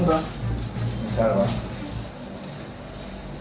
nggak salah pak